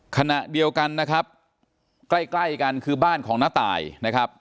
ขณะเดียวกันนะครับใกล้ใกล้กันคือบ้านของน้าตายนะครับ